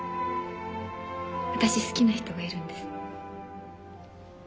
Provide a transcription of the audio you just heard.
私好きな人がいるんです。